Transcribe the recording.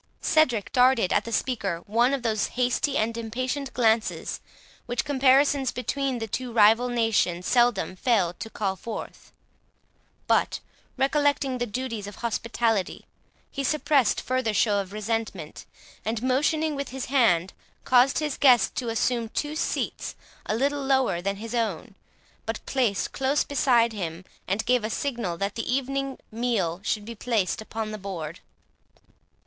Cedric darted at the speaker one of those hasty and impatient glances, which comparisons between the two rival nations seldom failed to call forth; but, recollecting the duties of hospitality, he suppressed further show of resentment, and, motioning with his hand, caused his guests to assume two seats a little lower than his own, but placed close beside him, and gave a signal that the evening meal should be placed upon the board.